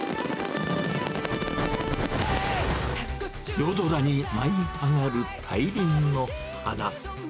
夜空に舞い上がる大輪の花。